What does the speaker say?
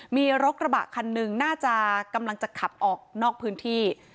มีรถกระบะคันหนึ่งน่าจะกำลังจะขับออกนอกพื้นที่